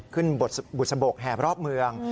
ขึ้นบุษบกแห่รอบเมือง